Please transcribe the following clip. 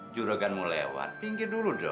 juroganmu lewat pinggir dulu dong